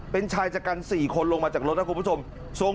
เป็นชายจัดการสี่คนลงมาจากรถนะครับคุณผู้ผู้สมส่ง